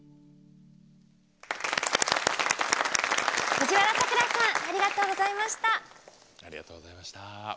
藤原さくらさんありがとうございました。